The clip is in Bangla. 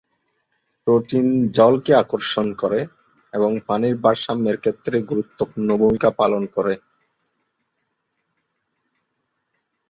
প্রোটিন জলকে আকর্ষণ করে এবং পানির ভারসাম্যের ক্ষেত্রে গুরুত্বপূর্ণ ভূমিকা পালন করে।